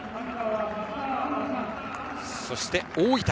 そして大分。